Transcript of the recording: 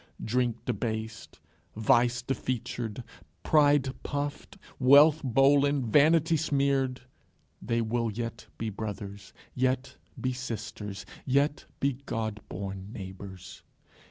Drink debased, vice defeatured, pride puffed, wealth bollen, vanity smeared, they will yet be brothers, yet be sisters, yet be God born neighbours.